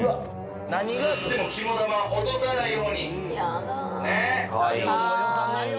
何があってもキモ玉を落とさないように。